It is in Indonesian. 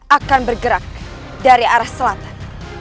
akan bergerak dari arah selatan